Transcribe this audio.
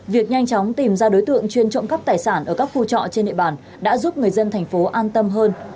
việc nhanh chóng tìm ra đối tượng chuyên trộm cắp tài sản ở các khu trọ trên địa bàn đã giúp người dân thành phố an tâm hơn